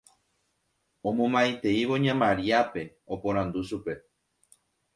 omomaiteívo ña Mariápe, oporandu chupe